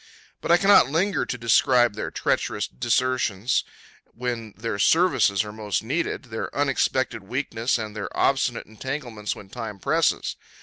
But I cannot linger to describe their treacherous desertions when their services are most needed, their unexpected weakness, and their obstinate entanglements when time presses.